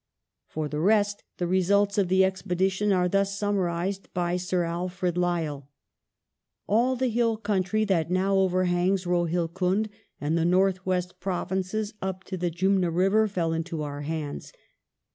For the rest, the results of the expedition are thus summarized by Sir Alfred Lyall :" All the hill country that now overhangs Rohilcund and the North West Provinces up to the Jumna river fell into our hands.